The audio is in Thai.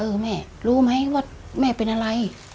แม่รู้ไหมว่าแม่เป็นอะไร